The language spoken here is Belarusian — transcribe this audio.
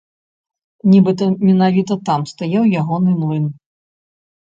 Нібыта менавіта там стаяў ягоны млын.